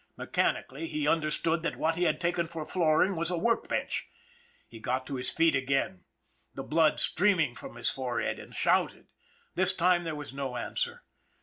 Mechanically he under stood that what he had taken for flooring was a work bench. He got to his feet again, the blood streaming from his forehead, and shouted. This time there was no answer.